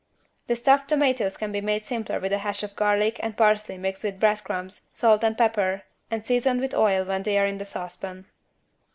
The stuffed tomatoes can be made simpler with a hash of garlic and parsley mixed with bread crumbs, salt and pepper and seasoned with oil when they are in the saucepan.